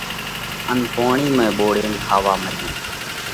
ان پوڻِي ۾ ٻوڙينَ کاوا مڏيو۔